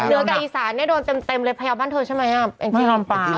เหนือกับอีสานเนี่ยโดนเต็มเลยพยาวบ้านเธอใช่ไหมแองจี้ลำปาง